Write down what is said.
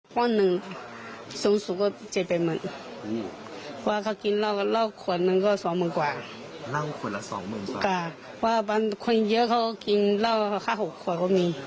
มีบริการอะไรค่ะมีบริการแบบเด็กเอ็นเด็กอะไรอย่างนี้